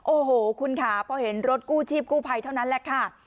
โอ้โหคุณค่ะพอเห็นรถกู้ชีพกู้ภัยเท่านั้นแหละค่ะ